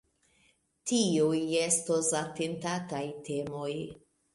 Tiuj estos atentataj temoj.